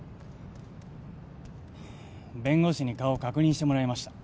弁護士に顔確認してもらいました。